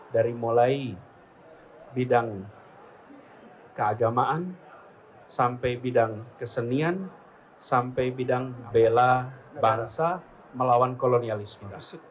dari mulai bidang keagamaan sampai bidang kesenian sampai bidang bela bangsa melawan kolonialisme